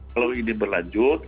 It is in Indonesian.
kalau ini berlanjut